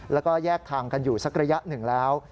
แล้วก็แยกทางกันอยู่สักระยะหนึ่งแล้ว